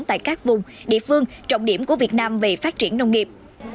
tại các vùng địa phương trọng điểm của việt nam về phát triển nông nghiệp